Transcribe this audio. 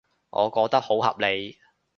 我覺得好合理